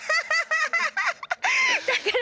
だから。